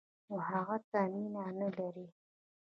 نو هغه ته مینه نه لري.